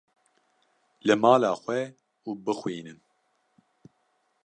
li mala xwe û bixwînin.